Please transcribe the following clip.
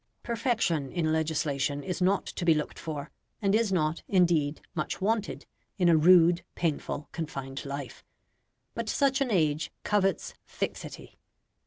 Perfection in legislation is not to be looked for, and is not, indeed, much wanted in a rude, painful, confined life. But such an age covets fixity.